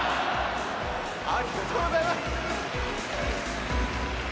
・ありがとうございます！